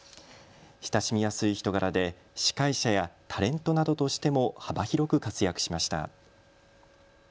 親しみやすい人柄で司会者やタレントなどとしても幅広く活躍しました。